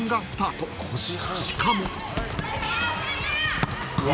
［しかも］